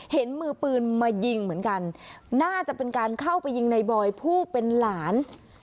เห็นมือปืนมายิงเหมือนกันน่าจะเป็นการเข้าไปยิงในบอยผู้เป็นหลาน